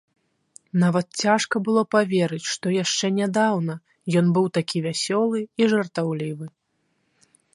Нават цяжка было паверыць, што яшчэ нядаўна ён быў такі вясёлы і жартаўлівы.